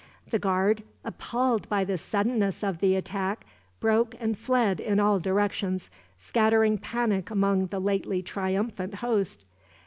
The guard, appalled by the suddenness of the attack, broke and fled in all directions, scattering panic among the lately triumphant host.